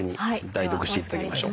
代読していただきましょう。